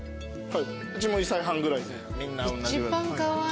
うちも１歳半ぐらいで。